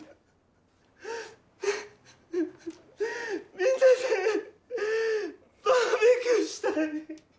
みんなでバーベキューしたい！